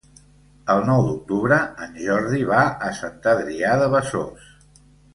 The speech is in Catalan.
El nou d'octubre en Jordi va a Sant Adrià de Besòs.